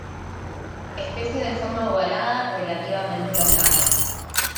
Especie de forma ovalada, relativamente elongado.